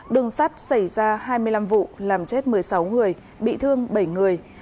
đường sắt xảy ra hai mươi năm vụ làm chết một mươi sáu người bị thương bảy người